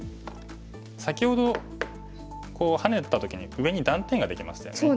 先ほどハネた時に上に断点ができましたよね。